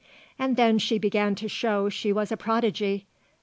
And then she began to show she was a prodigy.